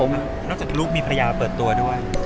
นอกจากลูกมีภรรยาเปิดตัวด้วย